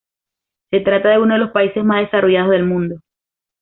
Se trata de uno de los países más desarrollados del mundo.